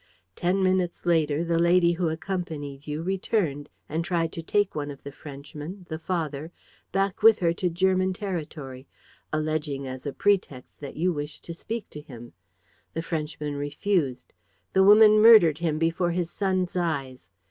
Ten minutes later, the lady who accompanied you returned and tried to take one of the Frenchmen, the father, back with her to German territory, alleging as a pretext that you wished to speak to him. The Frenchman refused. The woman murdered him before his son's eyes.